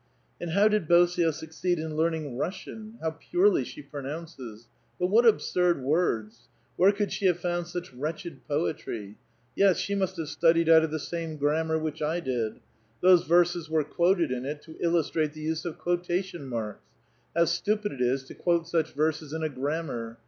" And how did Bosio succeed in learning Russian? How purely she pronounces ! But what absurd words ! Where could she have found such wretched ix)etry? Yes; she must have studied out of the same grammar which I did ; those verses were quoted in it to illustrate the use of quota tion marks. How stupid it is to quote such verses in a grammar